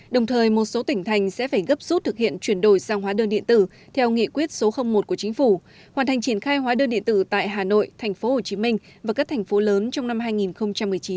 đồng thời một số tỉnh thành sẽ phải gấp rút thực hiện chuyển đổi sang hóa đơn điện tử theo nghị quyết số một của chính phủ hoàn thành triển khai hóa đơn điện tử tại hà nội tp hcm và các thành phố lớn trong năm hai nghìn một mươi chín